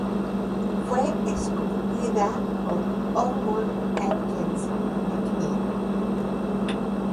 Fue esculpida por Hermon Atkins MacNeil.